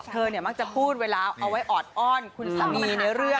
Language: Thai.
มักจะพูดเวลาเอาไว้ออดอ้อนคุณสามีในเรื่อง